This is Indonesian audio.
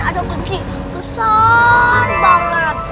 ma tadi kan ada keji besar banget